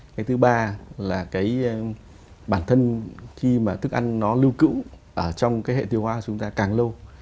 cái thứ ba là cái bản thân khi mà thức ăn nó lưu cữu ở trong cái hệ tiêu hóa của chúng ta càng lâu